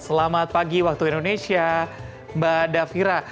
selamat pagi waktu indonesia mbak davira